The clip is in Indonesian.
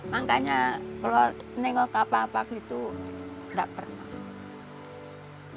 makanya kalau melihat apa apa itu tidak pernah